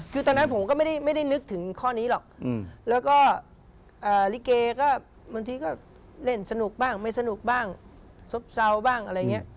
คือตอนนั้นผมก็ไม่ได้นึกถึงข้อนี้หรอกแล้วก็ลิเกก็บางทีก็เล่นสนุกบ้างไม่สนุกบ้างซบเศร้าบ้างอะไรอย่างนี้